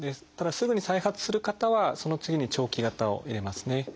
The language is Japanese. ただすぐに再発する方はその次に長期型を入れますね。